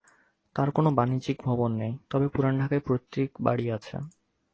তাঁর কোনো বাণিজ্যিক ভবন নেই, তবে পুরান ঢাকায় পৈতৃক বাড়ি আছে।